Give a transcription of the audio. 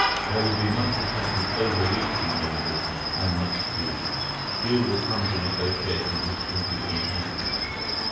There will be much attempted over reaching in the business and much greed. Few will come to negotiations with simple intentions.